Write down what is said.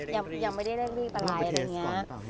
ยังไม่ได้เร่งรีบอะไร